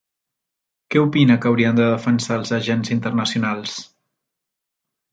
Què opina que haurien de defensar els agents internacionals?